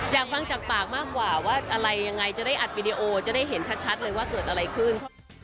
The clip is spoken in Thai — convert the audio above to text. อยากฟังจากปากมากกว่าว่าอะไรยังไงจะได้อัดวิดีโอจะได้เห็นชัดเลยว่าเกิดอะไรขึ้น